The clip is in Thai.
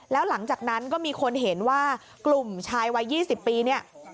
แล้วหลังจากนั้นก็มีคนเห็นว่ากลุ่มชายวัย๒๐ปีเนี่ย